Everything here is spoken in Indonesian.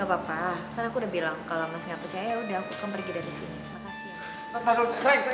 gak apa apa kan aku udah bilang kalau mas nggak percaya udah aku akan pergi dari sini makasih